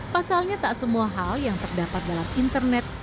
pasalnya tak semua hal yang terdapat dalam internet